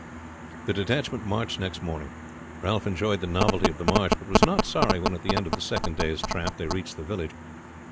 The detachment marched next morning. Ralph enjoyed the novelty of the march, but was not sorry when at the end of the second day's tramp they reached the village.